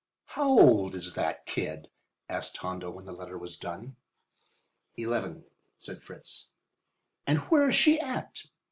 "How old is that kid?" asked Hondo when the letter was done. "Eleven," said Fritz. "And where is she at?"